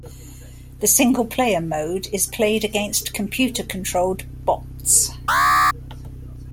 The single-player mode is played against computer-controlled bots.